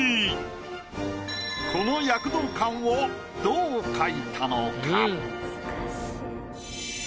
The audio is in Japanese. この躍動感をどう描いたのか？